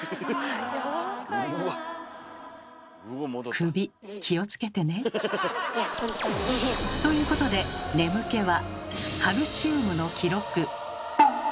首気をつけてね。ということでうわ。